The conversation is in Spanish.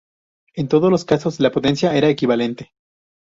En todos los casos, la potencia era equivalente.